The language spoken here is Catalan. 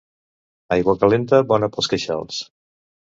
Aigua calenta, bona pels queixals.